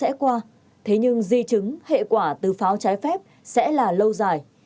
sẽ qua thế nhưng di chứng hệ quả từ pháo trái phép sẽ là lâu dài